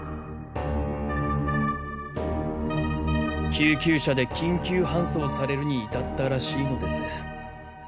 救急車で緊急搬送されるに至ったらしいのです。